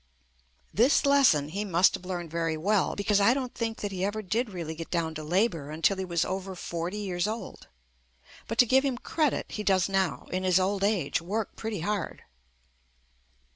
This lesson he must have learned very well, because I don't think that he ever did really get down to labor until he JUST ME was over forty years old. But to give him credit, he does now, in his old age, work pretty hard.